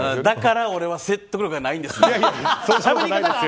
だから俺は説得力がないんですね。